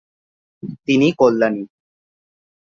তিনি কল্যাণী।